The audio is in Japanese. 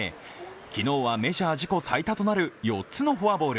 昨日はメジャー自己最多となる４つのフォアボール。